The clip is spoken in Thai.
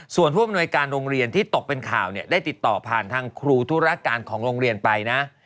ส่วนผู้อำนวยการโรงเรียนที่ตกเป็นข่าวเนี่ยได้ติดต่อผ่านทางครูธุรการของโรงเรียนไปนะ